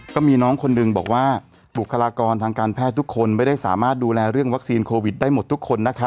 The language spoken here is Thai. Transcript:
ก็มีน้องคนหนึ่งบอกว่าบุคลากรทางการแพทย์ทุกคนไม่ได้สามารถดูแลเรื่องวัคซีนโควิดได้หมดทุกคน